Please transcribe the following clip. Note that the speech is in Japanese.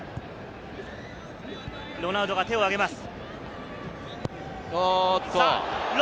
ロナウドが手を挙げます。